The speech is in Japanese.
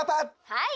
はい！